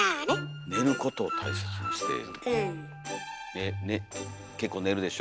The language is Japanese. ねね結構寝るでしょ？